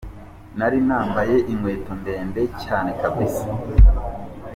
Nari nambaye inkweto ndende cyane kabisa….